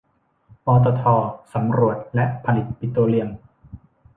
ปตท สำรวจและผลิตปิโตรเลียม